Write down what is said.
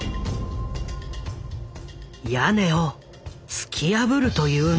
屋根を突き破るというのだ。